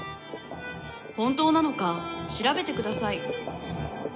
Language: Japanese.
「本当なのか調べてください」